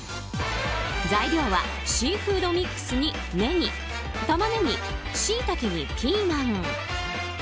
材料はシーフードミックスにネギタマネギ、シイタケにピーマン。